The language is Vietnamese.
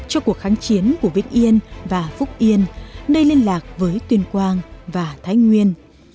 cho cuộc kháng chiến của việt yên và phúc yên đây liên lạc với tuyên quang và thái nguyên